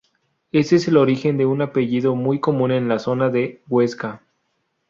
Ese es el origen de un apellido muy común en la zona de Huesca.